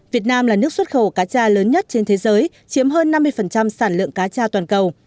việt nam là nước xuất khẩu cá tra lớn nhất trên thế giới chiếm hơn năm mươi sản lượng cá tra toàn cầu